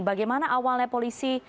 bagaimana awalnya polisi